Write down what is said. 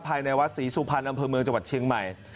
ภายในวัดศรีสุพรรณอำเภอเมืองจังหวัดเชียงใหม่